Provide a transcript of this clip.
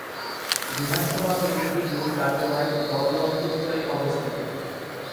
বিধানসভা কেন্দ্রটির মূল কার্যালয় দমদম উত্তরে অবস্থিত।